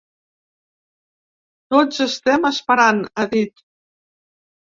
Tots estem esperant, ha dit.